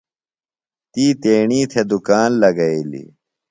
تی تیݨی تھےۡ دُکان لگئیلیۡ۔